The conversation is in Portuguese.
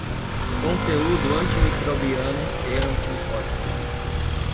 Conteúdo antimicrobiano e antimicótico